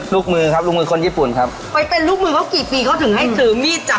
ลูกมือครับลูกมือคนญี่ปุ่นครับไปเป็นลูกมือเขากี่ปีเขาถึงให้ถือมีดจับ